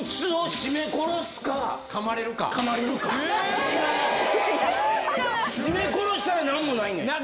絞め殺したらなんもないねん。